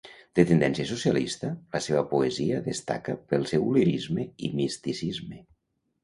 De tendència socialista, la seva poesia destaca pel seu lirisme i misticisme.